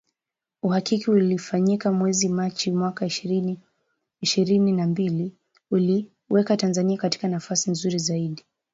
Uhakiki ulifanyika mwezi Machi mwaka ishirini ishirini na mbili uliiweka Tanzania katika nafasi nzuri zaidi